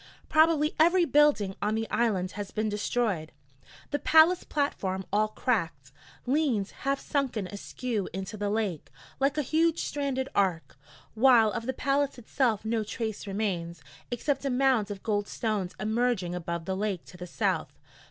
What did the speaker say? Probably every building on the island has been destroyed; the palace platform, all cracked, leans half sunken askew into the lake, like a huge stranded ark, while of the palace itself no trace remains, except a mound of gold stones emerging above the lake to the south.